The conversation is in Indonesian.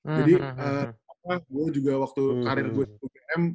jadi apa gue juga waktu karir gue di ugm